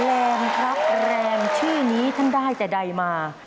แรงครับแรงชื่อนี้ท่านได้แต่ใดมา